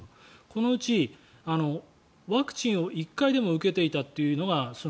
このうちワクチンを１回でも受けていたというのが５％。